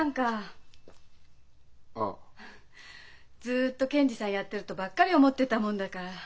ずっと検事さんやってるとばっかり思ってたもんだから。